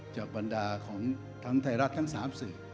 บรรดาของทั้งไทยรัฐทั้ง๓สื่อ